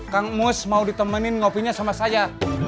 kang mus mau ditemenin ngopinya sama saya